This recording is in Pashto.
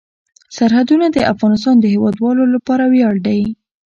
سرحدونه د افغانستان د هیوادوالو لپاره ویاړ دی.